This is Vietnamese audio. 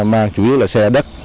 xe mang chủ yếu là xe đất